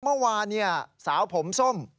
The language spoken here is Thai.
เมื่อวานสาวผมส้ม